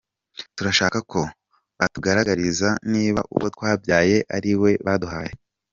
Turashaka ko batugaragariza niba uwo twabyaye ari we baduhaye.